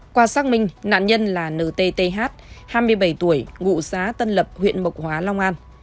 qua xác minh nạn nhân là nthth hai mươi bảy tuổi ngụ xã tân lập huyện mộc hóa long an